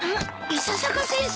伊佐坂先生。